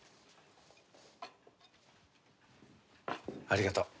ありがとう。